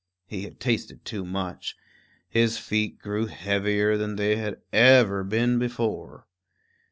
He had tasted too much; his feet grew heavier than they had ever been before.